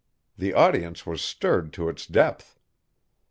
The audience was stirred to its depth.